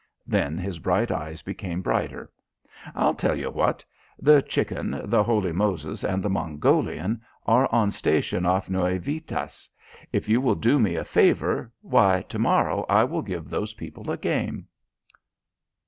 Then his bright eyes became brighter. "I tell you what! The Chicken, the Holy Moses and the Mongolian are on station off Nuevitas. If you will do me a favour why, to morrow I will give those people a game!"